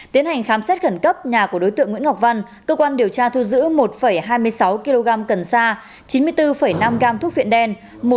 tiến hành khám xét khẩn cấp nhà của đối tượng nguyễn ngọc văn cơ quan điều tra thu giữ một hai mươi sáu kg cần sa chín mươi bốn năm gram thuốc viện đen